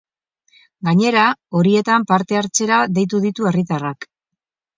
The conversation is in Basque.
Gainera, horietan parte hartzera deitu ditu herritarrak.